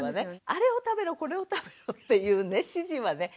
あれを食べろこれを食べろっていう指示はね